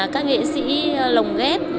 các nghệ sĩ lồng ghét